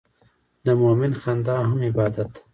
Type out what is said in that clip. د مؤمن خندا هم عبادت ده.